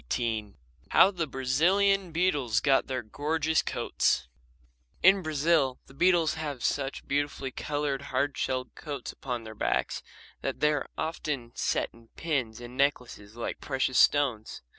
XVIII How the Brazilian Beetles Got Their Gorgeous Coats In Brazil the beetles have such beautifully coloured, hard shelled coats upon their backs that they are often set in pins and necklaces like precious stones.